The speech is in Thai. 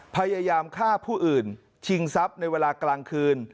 พยายามฆ่าผู้อื่นชิงทรัพย์ในเวลากลางคืน